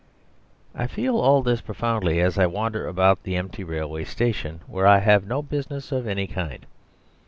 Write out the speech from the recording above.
I feel all this profoundly as I wander about the empty railway station, where I have no business of any kind.